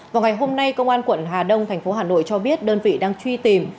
vào ngày hôm nay công an quận hà đông tp hà nội cho biết đơn vị đang truy tìm